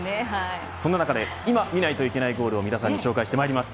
そんな中で、今見ないといけないゴールを、皆さんに紹介してまいります。